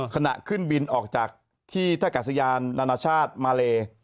ขณะขึ้นบินออกจากที่ท่ากาศยานนานาชาติมาเล